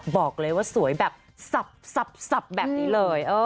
บอกเลยว่าสวยแบบสับแบบนี้เลย